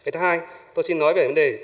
thứ hai tôi xin nói về vấn đề